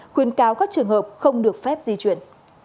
khuyên cáo các trường hợp không được phép di chuyển